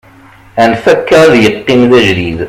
anef akka ad yeqqim d ajdid